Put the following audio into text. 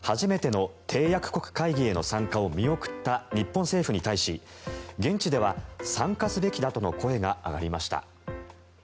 オーストリアで開かれている核兵器禁止条約の初めての締約国会議への参加を見送った日本政府に対し現地では参加すべきだとの声が上がりました。